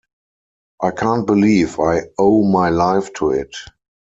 I can't believe I owe my life to it.